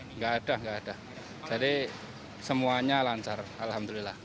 enggak enggak ada jadi semuanya lancar alhamdulillah